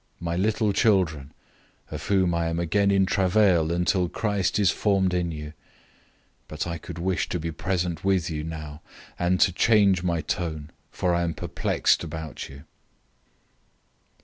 004:019 My little children, of whom I am again in travail until Christ is formed in you 004:020 but I could wish to be present with you now, and to change my tone, for I am perplexed about you.